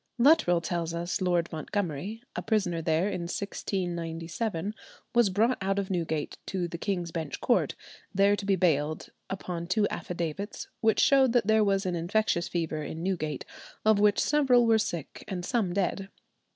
Luttrell tells us Lord Montgomery, a prisoner there in 1697, was brought out of Newgate to the King's Bench Court, there to be bailed, upon two affidavits, which showed that there was an infectious fever in Newgate, of which several were sick and some dead.